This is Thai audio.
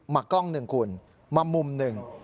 กล้องหนึ่งคุณมามุมหนึ่ง